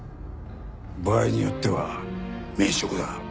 場合によっては免職だ。